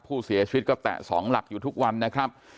ผู้เสียชีวิตก็แตะ๒หลักอยู่ทุกวันนะครับ